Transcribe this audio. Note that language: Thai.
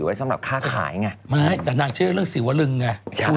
ไม่ได้ถามเขาว่าอืมไม่รู้